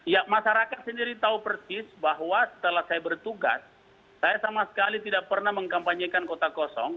ya masyarakat sendiri tahu persis bahwa setelah saya bertugas saya sama sekali tidak pernah mengkampanyekan kota kosong